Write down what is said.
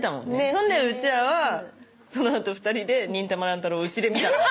それでうちらはその後２人で『忍たま乱太郎』を家で見たのよ。